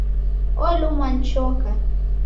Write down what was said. Olumwa ni choka